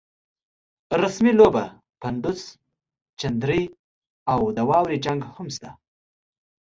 رسمۍ لوبه، پډوس، چندرۍ او د واورو جنګ هم شته.